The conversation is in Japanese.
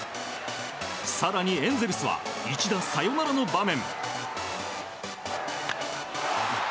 更にエンゼルスは一打サヨナラの場面。